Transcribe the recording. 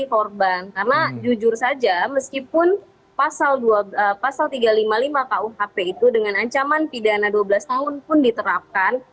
karena jujur saja meskipun pasal tiga ratus lima puluh lima kukp itu dengan ancaman pidana dua belas tahun pun diterapkan